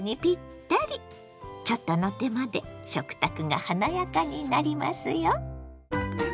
ちょっとの手間で食卓が華やかになりますよ。